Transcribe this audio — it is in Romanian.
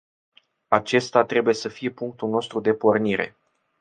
Acesta trebuie să fie punctul nostru de pornire.